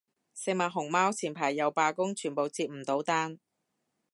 食物熊貓前排又罷工，全部接唔到單